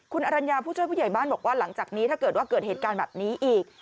คุณอรัญญาผู้ช่วยผู้ใหญ่บ้านบอกว่าหลังจากนี้ถ้าเกิดว่าเกิดเหตุการณ์แบบนี้อีก